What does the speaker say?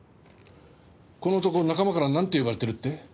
この男仲間からなんて呼ばれてるって？